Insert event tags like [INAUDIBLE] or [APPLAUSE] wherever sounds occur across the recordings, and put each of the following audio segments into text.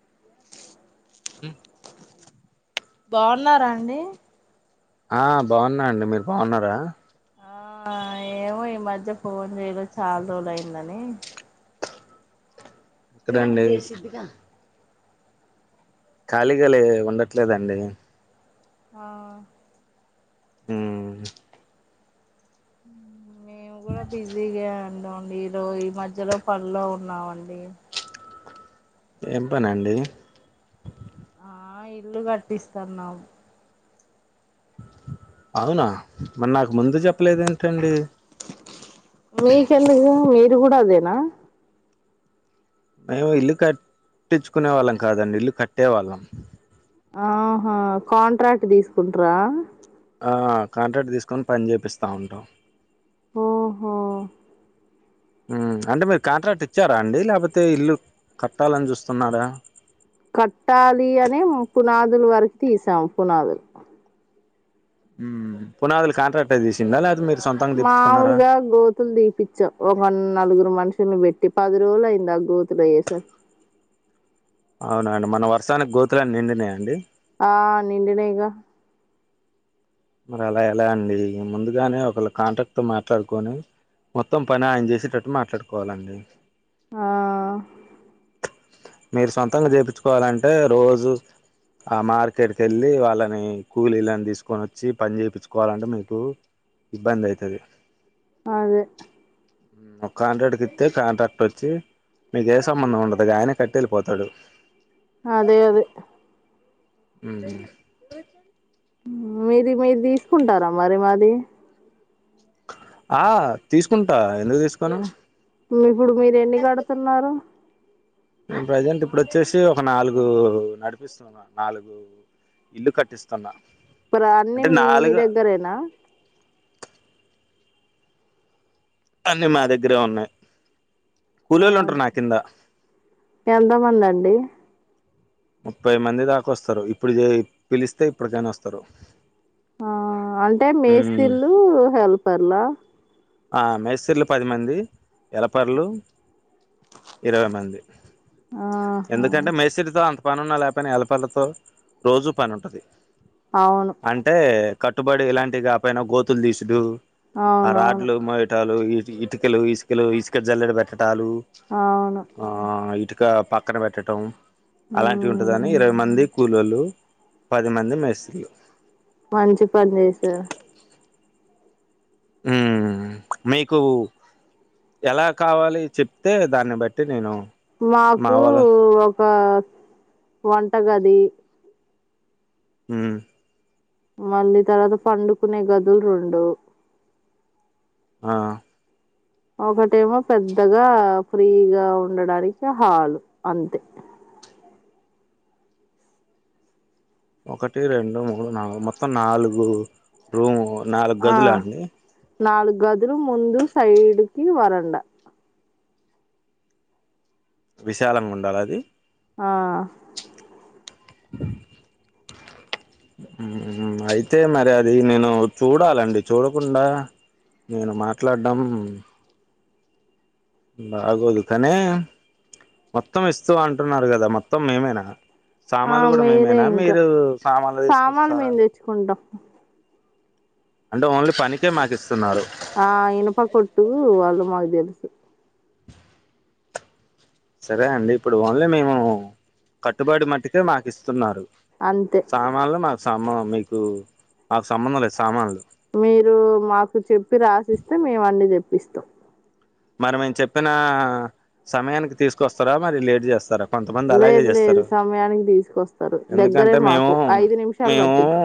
[INAUDIBLE] బాగున్నారా అండి ఆ బాగున్నా అండి మీరు బాగున్నారా ఆ ఏమో ఈ మధ్య ఫోన్ చేయలే చాలా రోజులయిందని ఎక్కడండి ఖాళీగా లే ఉండట్లేదండి ఆ హ మేము కూడా బిజీగా ఉన్నాం అండి ఈ మధ్యలో పనిలో ఉన్నామండి ఏమి పనండి ఆ ఇల్లు కట్టిస్తాన్నాం అవునా మరి నాకు ముందు చెప్పలేదు ఏంటండి మీకెందుకే మీ కూడా అదేనా మేము ఇల్లు కట్టించుకునే వాళ్ళం కాదండి ఇల్లు కట్టే వాళ్ళం ఆహా కాంట్రాక్ట్ తీసుకుంట్రా ఆ కాంట్రాక్ట్ తీసుకొని పని చేపిస్తా ఉంటాం ఓహో అంటే మీరు కాంట్రాక్ట్ ఇచ్చారా అండి లేకపోతే ఇల్లు కట్టాలని చూస్తున్నారా కట్టాలి అనే పునాదులు వరకు తీసాము పునాదులు పునాదులు కాంట్రాక్టర్ రే తీసిండా అది మీ మాములుగా గోతులు దీపచ్చా ఒ నలుగురు మనుషుల్ని పెట్టి పది రోజులయ్యింది అ గోతులు అయ్యే సరికి అవునండి మన వర్షానికి గోతులాన్ని నిండినయండి ఆ నిండినయిగా మరి అలా ఎలా అండి ముందుగానే ఒక కాంట్రాక్ట్ తో మాట్లాడుకొని మొత్తం పని ఆయన చేసేటట్టు మాట్లాడుకోవాలండి ఆ మీరు సొంతంగా చేపించుకోవాలంటే రోజు ఆ మార్కెట్ కి వెళ్ళి వాళ్ళని కూలిళ్ళని తీసుకొని వచ్చి పని చేయించుకోవాలంటే మీకు ఇబ్బంది అయితది అదే ఓ కాంట్రాక్టు ఇత్తే కాంట్రాక్ట్ వచ్చి మీకే సంబంధం ఉండదు ఇగ ఆయనే కట్టెళ్ళిపోతాడు అదే అదే అ మీది మీరు తీసుకుంటారా మరి మాది ఆ తీసుకుంటా ఎందుకు తీసుకోను ఇప్పుడు మీరు ఎన్ని కడుతున్నారు ప్రజెంట్ ఇప్పుడు వచ్చేసి ఒక నాలుగు నడిపిస్తున్నా నాలుగు ఇల్లు కట్టిస్తున్నా ఇప్పుడు అన్ని అంటే మీ నాలుగు దగ్గరేనా అన్ని మా దగ్గరే ఉన్నాయి ఆ కూల్లోళ్ళు ఉంటారు నా కింద ఎంతమంది అండి ముప్పై మంది దాకా వస్తారు ఇప్పుడు పిలిస్తే ఇప్పటికనా వస్తారు ఆ అంటే ఉమ్ మేస్త్రీలు హెల్పర్లా మేసిర్లు పదిమంది ఎలపర్లు ఇరవై మంది ఆహా ఎందుకంటే మేసిరితో అంత పను ఉన్నా లేకపోనా హెల్పరళ్లతో రోజూ పని ఉంటుంది అవును అంటే కట్టుబడి ఇలాంటివి కా పనా గోతులు తీసుడు అవునవును లు మటాలు ఇటుకలు ఇసుకలు ఇసుక జల్లెడి పెట్ట ట్టాలు అవును ఆ ఇటుక పక్కన పెట్టటం అలాంటివి ఉంటుందని మ్మ్ ఇరవై మంది కలోళ్ళు పది మంది మేస్త్రీలు మంచి పని చేసిర్రూ ఉమ్ మీకు ఎలా కావాలి చెప్తే దాన్ని బట్టి నేను మా మాకు వాళ్ళ ఒక వంటగది ఉమ్ మళ్ళీ తర్వాత పండుకునే గదుల్ రెండు ఆ ఒకటేమో పెద్దగా ఫ్రీగా ఉండడానికి హాలు అంతే ఒకటి రెండు మూడు నాలుగు మొత్తం నాలుగు రూము ఆ నాలుగదుల అండి నాలుగు గదులు ముందు సైడ్ కి వరండా విశాలంగా ఉండాల అది ఆ ఉమ్ అయితే మరి అది నేను చూడాలండి చూడకుండా నేను మాట్లాడం బాగోదు కానీ మొత్తం ఇస్తూ అంటున్నారు కదా మొత్తం మేమేనా ఆ సామాన్లు కూడా మీరే మేమేనా ఇంకా మీరు సామాన్లు తీసుకొస్తారా మేము తెచ్చుకుంటాం అంటే ఓన్లీ పనికే మాకు ఇస్తున్నారు ఆ ఇనప్ప కొట్ వాళ్ళు మాక్ తెలుసు సరే అండి ఇప్పుడు ఓన్లీ మేము కట్టుబడి మట్టుకే మాకు ఇస్తున్నారు అంతే సామాన్లు మాకు సంబ మీకు మాకు సంబంధం లేదు సామాన్లు మీరు ఇస్తాం మరి మేమ్ చెప్పిన సమయానికి తీసుకొస్తారా మరి లేట్ చేస్తారా కొంతమంది అలాగే లేదు లేదు చేస్తారు సమయానికి తీసుకొస్తారు దగ్గరే ఎందుకంటే మేము మాకు ఐదు నిమిషాలు మేము పట్టింది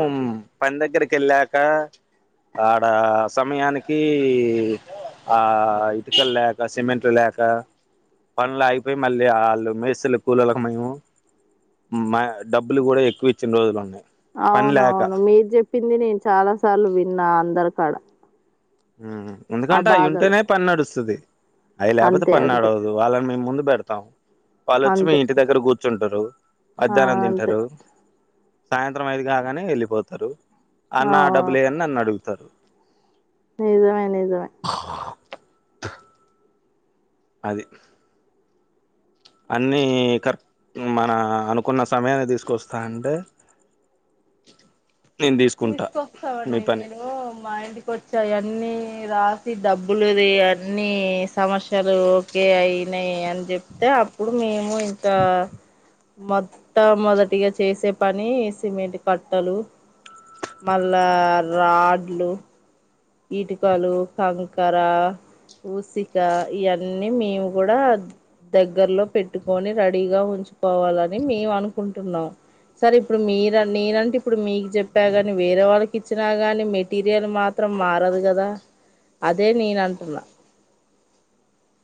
పని దగ్గరక్ కెళ్ళాక ఆడ సమయానికి ఆ ఇటికల్ లేక సిమెట్ లేక పన్లు అయిగీపోయి మళ్ళీ ఆళ్ళు మేస్త్రీలు కోళ్లకు మేము మా డబ్బులు కూడా ఎక్కువ ఇచ్చిన రోజులు కూడా ఉన్నాయి పని లేక అవునవును మీరు చెప్పింది నేను చాలా సార్లు విన్నా అందరికాడ ఉమ్ ఆ ఎందుకంటే బాధలు అయ్యుంటేనే పని నడుస్తది అయి లేకపోతే అంతే అంతే పన్నడువదు వాళ్ళని మేము ముందు పెడతాం వాల్లోచ్చి మీ అంతే ఇంటి దగ్గర కూర్చుంటరు ఆ మధ్యాహ్నం అంతే తింటరు సాయంత్రం ఐదు కాగానే వెళ్ళిపోతరు అన్న ఆ డబ్బులుయని అన్ను అడుగుతరు నిజమే నిజమే అది అన్నీ కర్ మన అనుకున్న సమయనికి తీసుకొస్తా అంటే నేను తీసుకుంటా మీ తీసుకొస్తామండి పని మీరు మా ఇంటికొచ్చి ఆయన్ని రాసి డబ్బులుది అన్ని సమస్యలు ఓకే అయినాయి అని చెప్తే అప్పుడు మేము ఇంకా మొట్టమొదటిగా చేసే పని సిమెంట్ కట్టలు మళ్ళా రాడ్లు ఇటికలు కంకర ఊసిక ఇయన్నీ మేము కూడా దగ్గర్లో పెట్టుకొని రెడీగా ఉంచుకోవాలని మేము అనుకుంటున్నాం. సరే ఇప్పుడు మీరు నేనంటే ఇప్పుడు మీకు చెప్పా కాని వేరే వాళ్ళకి ఇచ్చినా గాని మెటీరియల్ మా త్రం మారదు కదా అదే నేన అంటున్నా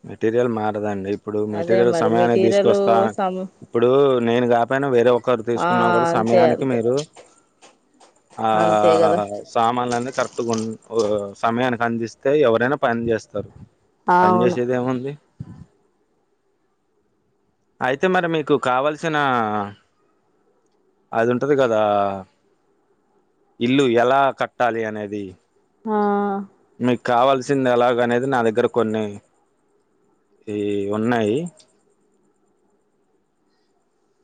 మెటీరియల్ మారదండి. ఇప్పుడు అదే మెటీరియల్ మరి సమయాన్ని మెటీరియల్ తీసుకొస్తా సం ఇప్పుడు నేను కాపోయినా వేరే ఒకరు ఆ తీసుకున్నా కూడా అంతే సమయానికి అంతే మీరు ఆ అంతే కదా సామాన్లలను కరక్ట్ గున్ ఓ సమయానికి అందిస్తే ఎవరైనా పని చేస్తారు ఆవును ఇది అయితే మరి మీకు కావల్సిన అదు ఉంటది కదా ఇల్లు ఎలా కట్టాలి అనేది ఆ మీకు కావాల్సింది ఎలాగ అనేది నా దగ్గర కొన్ని ఈ ఉన్నాయి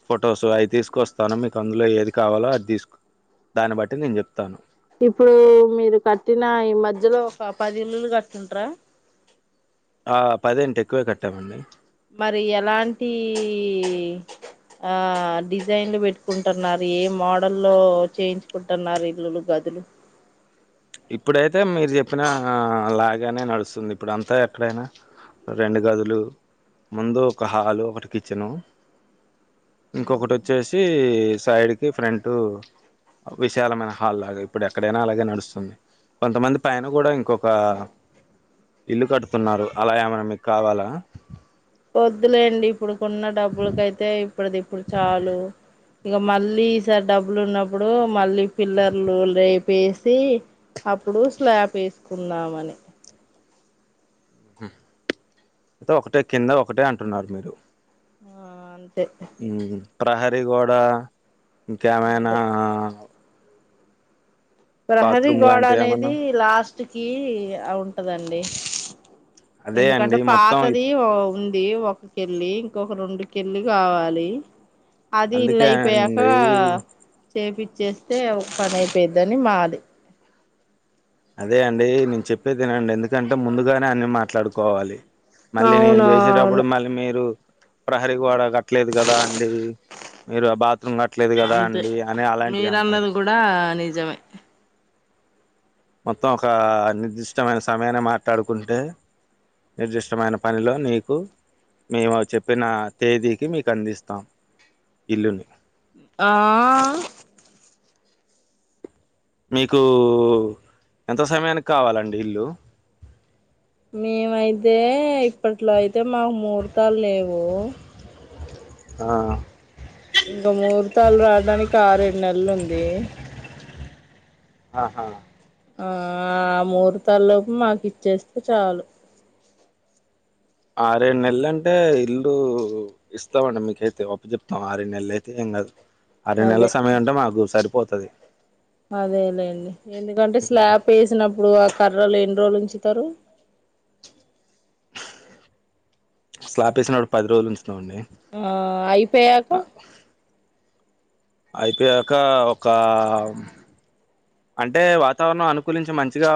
ఫొటోస్ అయి తీసుకుస్తాను. మీకు అందులో ఏది కావాలో అది తీసుకు దాన్ని బట్టి నేను చెప్తాను. ఇప్పుడు మీరు కట్టిన ఈ మధ్యలో ఒక పది ఇల్లులు కట్టింటర ఆ పదేంటి ఎక్కువే కట్టామండి. మరి ఎలాంటి ఆ డిజైన్లు పెట్టుకుంటున్నారు ఏ మోడల్లో చేయించుకుంటున్నారు ఇల్లులు గదులు ఇప్పుడైతే మీరు చెప్పినా లాగానే నడుస్తుంది ఇప్పుడు అంతా ఎక్కడైనా రెండు గదులు ముందు ఒక హాలు ఒకటి కిచెను ఇంకొకటి వచ్చేసి సైడ్కి ఫ్రంట్ విశాలమైన హాల్ లాగా ఇప్పుడు ఎక్కడైనా అలాగే నడుస్తుంది. కొంతమంది పైన కూడా ఇంకొక ఇల్లు కట్తున్నారు అలా ఏమైనా మీకు కావాలా? పొద్దులేండి ఇప్పుడు కొన్న డబ్బులకైతే ఇప్పుడుది ఇప్పుడు చాలు ఇగ మళ్ళీ ఈసారి డబ్బులు ఉన్నప్పుడు మళ్ళీ పిల్లర్లు రేపు వేసి అప్పుడు స్లాబ్ వేసుకున్నామని ఉ ఒకటే కింద ఒకటే అంటున్నారు మీరు ఆ అంతే ఉహు ప్రహరి గోడా ఇంకేమైనా అంతే ప్రహరి బాత్రూమ్ గోడ లాంటివి ఏమన్నా అనేది లాస్ట్ టుకి ఆ ఉంటదండి అదే ఎందుకంటే అండి మొత్తం పాతది ఇప్- ఓమ్ ఇది ఒక కెళ్ళి ఇంకొక రెండు కెళ్ళి కావాలి అది ఇల్లు అందుకే అయిపోయాక అండి చేపి చేస్తే ఒక పది అయిపోయిద్దని మాది అదే అండి నేను చెప్పేది వినండి ఎందుకంటే ముందుగానే అన్ని మాట్లాడుకోవాలి. మళ్ళీ నేను అవును చేసేటప్పుడు అవును మళ్ళీ మీరు ప్రహరి గోడ కట్టలేదు కదా అండి. మీరు అబాత్ అంతే అంటారు మీరన్నది కూడా నిజమే. మొత్తం ఒక నిర్దిష్టమైన సమయాన్ని మాట్లాడుకుంటే నిర్దిష్టమైన పనిలో నీకు మేము చెప్పిన తేదీకి మీకు అందిస్తాం ఇల్లుని ఆ మీకు ఎంత సమయానికి కావాలండి ఇల్లు మేమైతే ఇప్పట్లో అయితే మాకు ముహూర్తాలు లేవు. ఆ ఇంకా ముహూర్తాలు రావడానికి ఆరేడు నెల్లు ఉంది. ఆహా ఆ ఆ ముహూర్తలోపు మాకు ఇచ్చేస్తే చాలు. ఆరేడు నెల్లు అంటే ఇల్లు ఇస్తామండి మీకైతే ఒప్పజెప్తం ఆరేడు నెల్లు అయితే ఆరేడు నెల్లు అదే సమయం అంటే మాకు సరిపోతది. అదేలేండి ఎందుకంటే స్లాప్ వేసినప్పుడు ఆ కర్రలు ఎన్ని రోజులు ఉంచుతారు. స్లాపు వేసినప్పుడు పది రోజులు ఉంచు ఆ అయిపోయాక అయిపోయాక ఒక అంటే వాతావరణం అనుకూలించి మంచిగా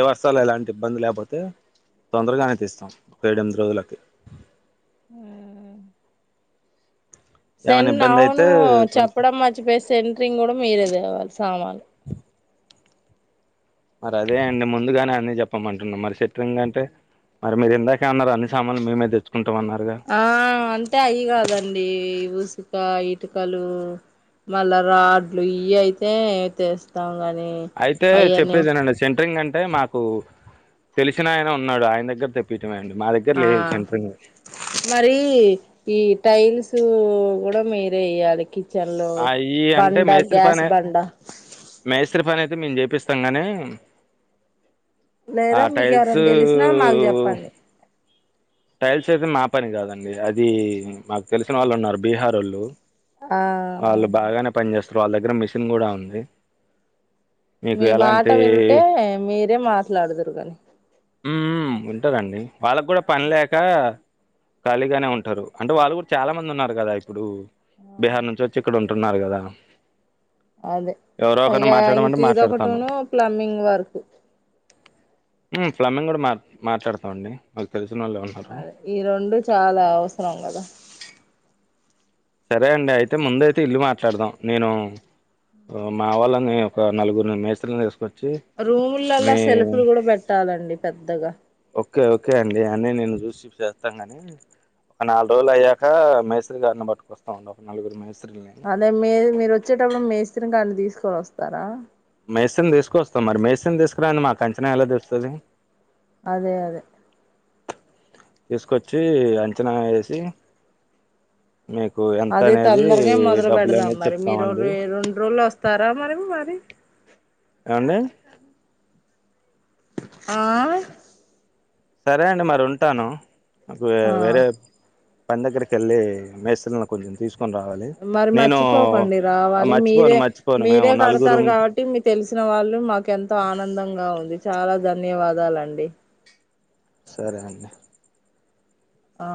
ఏవస్త ఎలాంటి ఇబ్బంది లేకపోతే తొందరగానే తీస్తాం ఒక ఏడు ఎనిమిది రోజులకి హ్మ్మ్ సెం ఏమైనా ఇబ్బంది అవును అయితే కొంచెం చెప్పడం మర్చిపోయా సెంట్రింగ్ కూడా మీరే తేవాలీ సామాన్ మరి అదే అండి ముందుగానే అన్న చెప్పమంటున్నాం మరి సెంట్రింగ్ అంటే మరి మీరు ఇందాకే అన్నారు అన్ని సామానులు మేమే తెచ్చుకుంట ఆ అంటే అయి కాదండి ఊసి ఇకా ఇటుకలు మళ్ళా రాడ్లు ఇయ్యి అయితే తెస్తాం. గానీ అయితే అయ్యను చెప్పేదినండి సెంటరింగ్ అంటే మాకు తెలిసిన ఆయన ఉన్నాడు ఆయన దగ్గర తెప్పి ఆ మరి ఈ టైల్స్ మీరే వేయ్యాలి కిచెన్ లో అయి అంటే బండ మేస్త్రి గ్యాస్ పని బండ మేస్త్రి పని అయితే మేము చేపిస్తాం గానీ ఆ లేదా మీకు టైల్స్ ఎవరైనా తెలిసినా మాకు చెప్పండి టైల్స్ అయితే మా పని కాదండి అది మాకు తెలిసిన వాళ్ళు ఉన్నారు బీహారోళ్ళు. ఆ వాళ్ళు అవునా? బాగానే పని చేస్తారు వాళ్ళ దగ్గర మిషన్ కూడా ఉంది. మీకు మీ మాట ఎలాంటి వింటే మీరే మాట్లాడదురు కాని ఉం ఉంటదండి వాళ్ళకి కూడా పని లేక ఖాళీగానే ఉంటారు అంటే వాళ్ళు కూడా చాలా మంది ఉన్నారు కదా ఇప్పుడు బీహార్ నుంచి వచ్చి ఇక్కడ ఉంటున్నారు కదా అదే ఎవరో ఒకరు ఇగ ఇంక మాట్లాడమంటే మాట్లాడతాను ఇదొకటిను ప్లంబింగ్ వర్క్ హ్మ్మ్ ప్లంబింగ్ కూడా మా మాట్లాడతాం అండి ఒకే అదే ఈ రెండు చాలా అవసరం కదా. సరే అండి అయితే ముందయితే ఇల్లు మాట్లాడదాం నేను మా వాళ్ళని ఒక నలుగురు మేస్త్రిలను తీసుకు రూములల్ల సెల్పులు కూడా పెట్టాలండి పెద్దగా ఓకే ఓకే అండి అన్ని నేను చూసి చేస్తాం గానీ ఒక నాలుగు రోజులు అయ్యాక మేస్రి గారిని పట్టుకొస్తామండి ఒక నలుగురు మేస్ అదే మే మీరు వచ్చేటప్పుడు మేస్రిని గాని తీసుకొని వస్తారా మెస్సిన్ తీసుకుస్తాం మరి మెసిన్ తీసుకురాంది మాకు అంచనా ఎలా తెలుస్తది అదే అదే తీసుకొచ్చి అంచనా వేసి మీకు ఎంత అదే అనేది తొందరగా మొదలు డబ్బులు పెడదాం అనేది మరి మీరు చెప్తామండి రెండు రోజులు వస్తారా మరి మరి ఏవండీ ఆ సరే అండి మరి ఉంటాను నాకు వే వేరే ఆ పని దగ్గరకి వెళ్ళి మేస్రిలను కొంచెం తీసుకు మరి మర్చిపోకండి రావాలి మీరే మర్చిపోను మర్చిపోను మేము మీరే కడతారు నలుగురం కాబట్టి మీ తెలిసిన వాళ్ళు రు మాకెంతో ఆనందంగా ఉంది చాలా ధన్యవాదాలండి సరే అండి ఆ